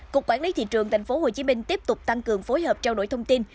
cục quản lý thị trường tp hcm tiếp tục tăng cường phối hợp trao đổi thông tin